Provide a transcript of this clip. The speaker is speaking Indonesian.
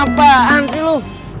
apaan sih lu